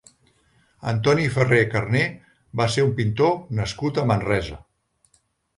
Antoni Ferrer Carné va ser un pintor nascut a Manresa.